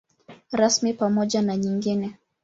Rasmi pamoja na nyingine.